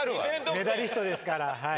メダリストですからはい。